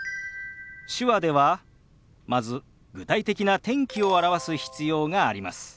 手話ではまず具体的な天気を表す必要があります。